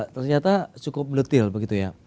ternyata cukup detil begitu ya